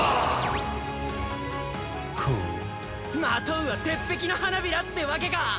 まとうは鉄壁の花びらってわけか！